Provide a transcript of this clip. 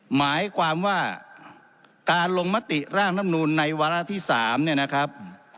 หมายความว่าการลงมติร่างน้ำนูลในวาระที่๓เนี่ยนะครับ